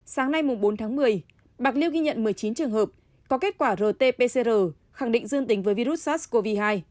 sáng nay bốn tháng một mươi bạc liêu ghi nhận một mươi chín trường hợp có kết quả rt pcr khẳng định dương tính với virus sars cov hai